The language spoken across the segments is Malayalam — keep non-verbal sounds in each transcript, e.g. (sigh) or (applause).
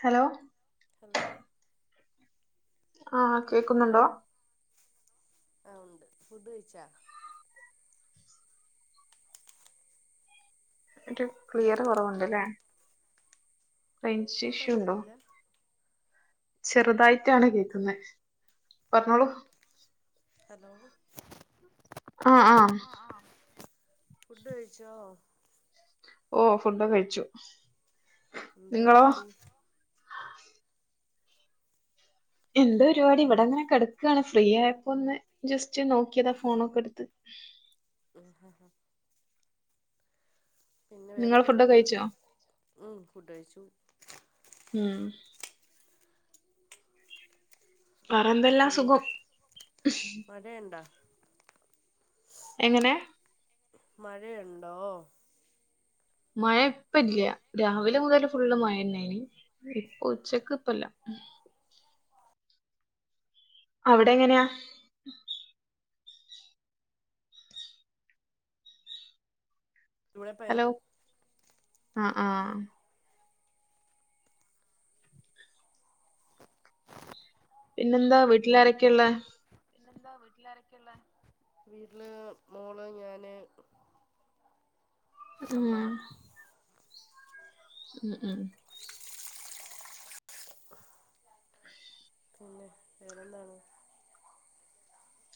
ഹലോ ഹലോ ആഹ് കേക്ക്‌ണ്ടോ കേക്കുന്നുണ്ടോ ആഹ് ഉണ്ട് ഫുഡ് കഴിച്ചോ ന്നട്ട് ഹലോ ക്ലിയർ കൊറവുണ്ട് ല്ലേ കേക്കാൻ റേഞ്ച്ശിഷ്യു ഒണ്ടോ പറ്റുന്നില്ല ചെറുതായിട്ടാണ് കേക്കുന്നെ പറഞ്ഞോളൂ ഹലോ ആഹ്- ആഹ് ഫുഡ് കഴിച്ചോ ഓ ഫുഡ് ഒക്കെ കഴിച്ചു എന്താ നിങ്ങളോ പരിപാടി എന്താ പരിപാടി ഇവിടെ അങ്ങനെ കെടക്കാണ് ഫ്രീ ആയപ്പോ ഒന്ന് ജസ്റ്റ് നോക്കിയതാ ഫോണൊക്കെ എടുത്ത് ഉം ഹാ ഹാ പിന്നെ വേറെ നിങ്ങൾ എന്തോ ഫുഡൊക്കെ ഒണ്ട് കഴിച്ചോ ഉം ഫുഡ് കഴിച്ചു ഉം പറ ന്തേലും പിന്നെ മഴയൊണ്ടോ എങ്ങനെ മഴയുണ്ടോ മഴ ഇപ്പ ഇല്ല്യാ രാവിലെ മുതല് ഫുള്ള് മഴ ന്നേനീ ഇപ്പൊ ഉച്ചക്ക് ഇപ്പല്ല അവിടെങ്ങനാ ഇവിടെ ഭയ ഹലോ ആഹ് -ആഹ് പിന്നെന്താ വീട്ടിലാരൊക്കെയാ ഉള്ളേ പിന്നെന്താ വീട്ടിലാരൊക്കെയൊള്ളേ? വീട്ടില് മോള് ഞാന് (unintelligible) ഉം ഉം ഉം (unintelligible) പിന്നെ വേറെന്താണ്?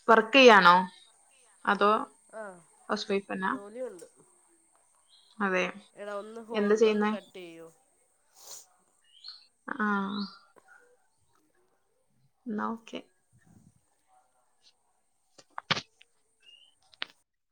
വർക്കെയ്യാണോ? അതോ ആഹ് ഹൗസ് വൈഫ്ന്നാ ജോലിയൊണ്ട്. അതെ എടാ ഒന്ന് ഹോൾ എന്താ ഒന്ന് ചെയ്യുന്നേ കട്ട് ചെയ്യോ? ആഹ് എന്നാ ഓക്കെ